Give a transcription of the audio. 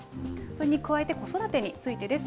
それに加えて、子育てについてです。